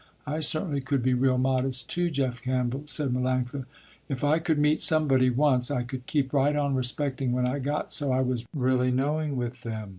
"I certainly could be real modest too, Jeff Campbell," said Melanctha, "If I could meet somebody once I could keep right on respecting when I got so I was really knowing with them.